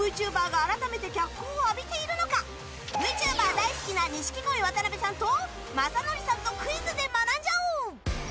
大好きな錦鯉・渡辺さんと雅紀さんとクイズで学んじゃおう！